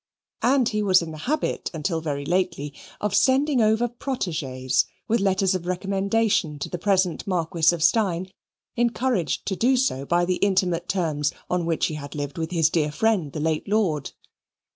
And he was in the habit, until very lately, of sending over proteges, with letters of recommendation to the present Marquis of Steyne, encouraged to do so by the intimate terms on which he had lived with his dear friend, the late lord.